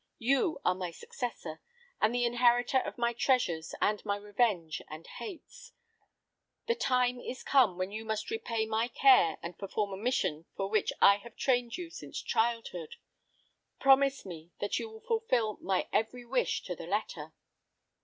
You are my successor, and the inheritor of my treasures and my revenge and hates. The time is come when you must repay my care and perform a mission for which I have trained you since childhood. Promise me that you will fulfil my every wish to the letter!"